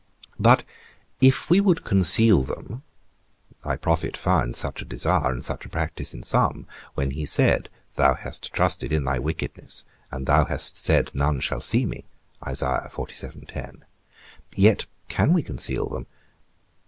But if we would conceal them (thy prophet found such a desire, and such a practice in some, when he said, Thou hast trusted in thy wickedness, and thou hast said, None shall see me), yet can we conceal them?